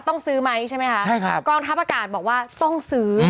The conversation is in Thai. ต้องซื้อไหมใช่ไหมคะใช่ครับกองทัพอากาศบอกว่าต้องซื้อ